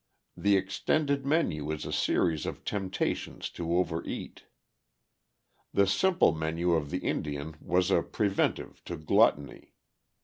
The extended menu is a series of temptations to overeat. The simple menu of the Indian was a preventive to gluttony.